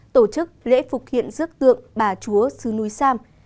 tổ chức lễ phục hiện rước tượng bà chúa sứ núi sam